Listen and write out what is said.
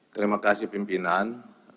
terima kasih pimpinan